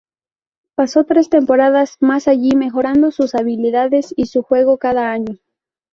Pasó tres temporadas más allí, mejorando sus habilidades y su juego cada año.